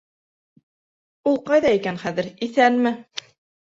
Ул ҡайҙа икән хәҙер, иҫәнме?